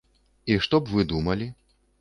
І што б вы думалі?